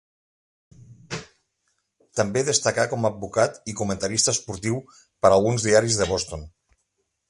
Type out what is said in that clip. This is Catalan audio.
També destacà com a advocat i comentarista esportiu per alguns diaris de Boston.